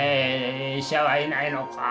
「医者はいないのか」